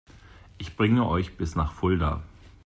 Ich bringe euch bis nach Fulda